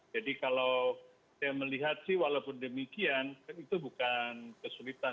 jadi kalau saya melihat sih walaupun demikian itu bukan kesulitan